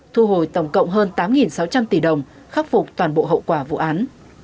thu hồi tổng cộng hơn tám sáu trăm linh tỷ đồng khắc phục toàn bộ hậu quả vụ án